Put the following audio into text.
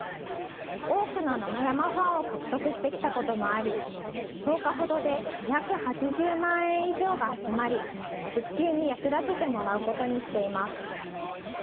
多くの七山ファンを獲得してきたこともあり、１０日ほどで２８０万円以上が集まり、復旧に役立ててもらうことにしています。